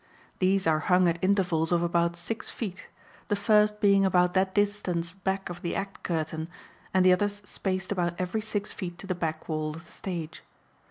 These are hung at intervals of about six feet, the first being about that distance back of the act curtain and the others spaced about every six feet to the back wall of the stage.